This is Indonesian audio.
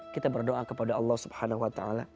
kita berdoa kepada allah swt